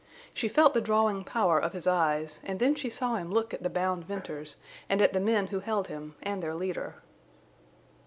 She felt the drawing power of his eyes; and then she saw him look at the bound Venters, and at the men who held him, and their leader.